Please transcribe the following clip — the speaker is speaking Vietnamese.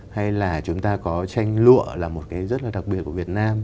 hay là chúng ta có tranh lụa là một cái rất là đặc biệt của việt nam